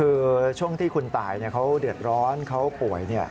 คือช่วงที่คุณตายเขาเดือดร้อนเขาป่วย